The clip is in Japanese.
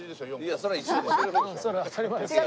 そりゃ当たり前ですよ。